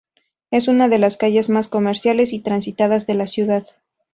Es una de las calles más comerciales y transitadas de la ciudad.